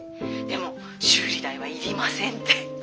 でも修理代はいりませんって。